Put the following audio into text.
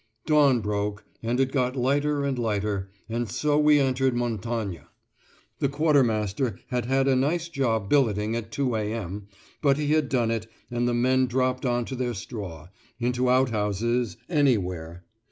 Dawn broke, and it got lighter and lighter and so we entered Montagne. The quartermaster had had a nice job billeting at 2.0 a.m., but he had done it, and the men dropped on to their straw, into outhouses, anywhere.